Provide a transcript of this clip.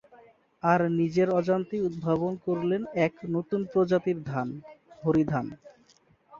আর নিজের অজান্তেই উদ্ভাবন করলেন এক নতুন প্রজাতির ধান, হরিধান।